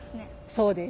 そうです。